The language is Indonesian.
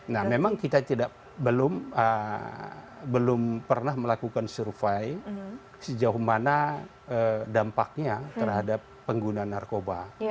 nah memang kita belum pernah melakukan survei sejauh mana dampaknya terhadap pengguna narkoba